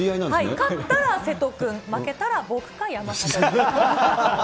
勝ったら瀬戸君、負けたら僕か山里君。